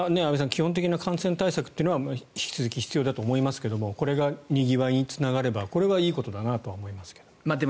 基本的な感染対策は引き続き必要だと思いますがこれがにぎわいにつながればいいことだなと思いますが。